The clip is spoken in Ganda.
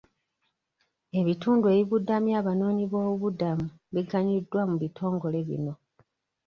Ebitundu ebibudamya abanoonyi b'obubuddamu biganyuddwa mu bitongole bino.